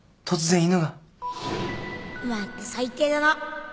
お前って最低だな